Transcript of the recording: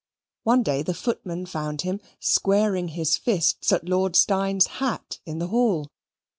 One day the footman found him squaring his fists at Lord Steyne's hat in the hall.